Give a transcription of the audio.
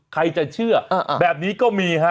ใครจะเชื่อแบบนี้ก็มีฮะ